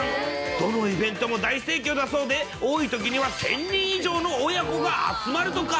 どのイベントも大盛況だそうで、多いときには１０００人以上の親子が集まるとか。